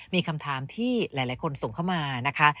มีคำถามที่หลายคนส่งเข้ามานะคะ